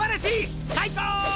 最高！